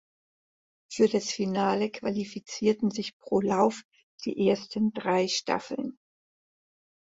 Für das Finale qualifizierten sich pro Lauf die ersten drei Staffeln.